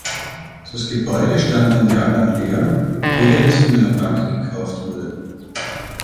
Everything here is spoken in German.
Das Gebäude stand ein Jahr lang leer, ehe es von einer Bank gekauft wurde.